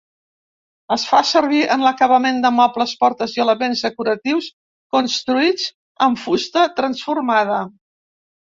Es fa servir en l'acabament de mobles, portes i elements decoratius construïts amb fusta transformada.